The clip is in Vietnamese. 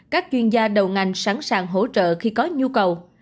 các chuyên gia đầu ngành sẵn sàng hỗ trợ khi có nhu cầu